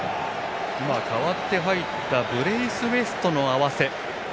今のは代わって入ったブレイスウェイトの合わせ。